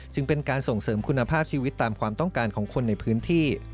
เป็นการส่งเสริมคุณภาพชีวิตตามความต้องการของคนในพื้นที่